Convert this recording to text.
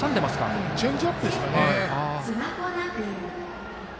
チェンジアップですかね。